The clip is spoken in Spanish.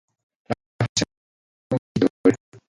La formación concluyó quinta en dicha categoría.